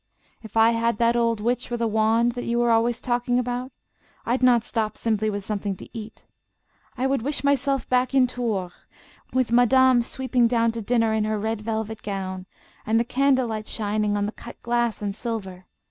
"If I had that old witch with a wand that you are always talking about, I'd not stop simply with something to eat. I would wish myself back in Tours, with Madame sweeping down to dinner in her red velvet gown, and the candle light shining on the cut glass and silver.